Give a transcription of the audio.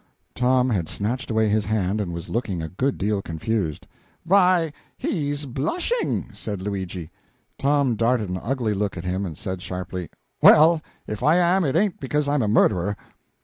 Tom had snatched away his hand, and was looking a good deal confused. "Why, he's blushing!" said Luigi. Tom darted an ugly look at him, and said sharply "Well, if I am, it ain't because I'm a murderer!"